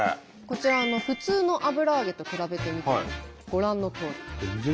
こちら普通の油揚げと比べてみてもご覧のとおり。